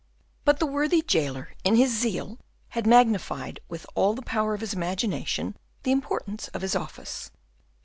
But the worthy jailer, in his zeal, had magnified with all the power of his imagination the importance of his office.